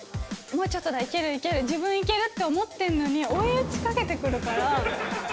もうちょっとだ、いけるいける、自分いけるって思ってるのに、追い打ちかけてくるから。